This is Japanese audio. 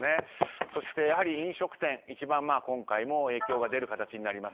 そして飲食店、一番今回も影響が出る形になります。